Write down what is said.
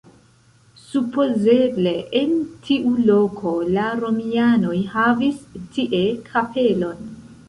Supozeble en tiu loko la romianoj havis tie kapelon.